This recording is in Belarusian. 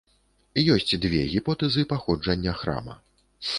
Ёсць дзве гіпотэзы паходжання храма.